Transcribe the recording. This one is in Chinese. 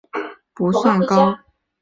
利润也不算高